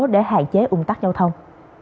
để hạn chế ủng tắc giao thông